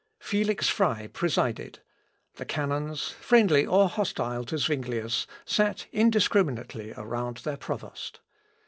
Felix Frey presided; the canons, friendly or hostile to Zuinglius, sat indiscriminately around their provost.